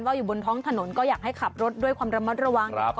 อยู่บนท้องถนนก็อยากให้ขับรถด้วยความระมัดระวัง